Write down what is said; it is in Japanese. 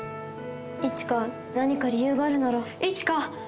一花なにか理由があるなら一花